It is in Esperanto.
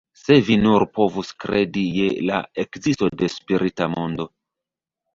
Se vi nur povus kredi je la ekzisto de spirita mondo!